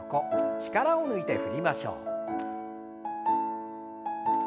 力を抜いて振りましょう。